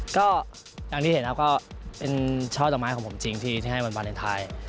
ก็อย่างที่เห็นนะครับก็เป็นช่อดอกไม้ของผมจริงที่ให้วันวาเลนไทย